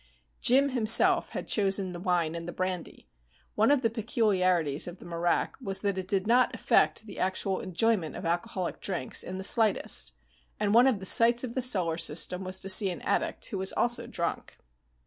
Jim himself had chosen the wine and the brandy one of the peculiarities of the marak was that it did not affect the actual enjoyment of alcoholic drinks in the slightest, and one of the sights of the Solar System was to see an addict who was also drunk.